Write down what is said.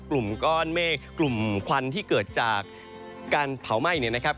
กลุ่มก้อนเมฆกลุ่มควันที่เกิดจากการเผาไหม้เนี่ยนะครับ